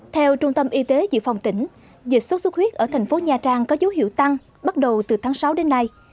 theo trung tâm y tế dự phòng tỉnh dịch sốt xuất huyết ở thành phố nha trang có dấu hiệu tăng bắt đầu từ tháng sáu đến nay